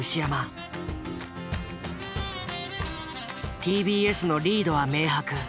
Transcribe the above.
ＴＢＳのリードは明白。